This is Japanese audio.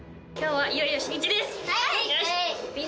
はい。